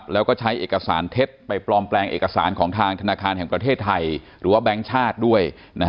แล้วก็ใช้เอกสารเท็จไปปลอมแปลงเอกสารของทางธนาคารแห่งประเทศไทยหรือว่าแบงค์ชาติด้วย